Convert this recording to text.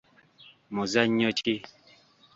Muzannyo ki?.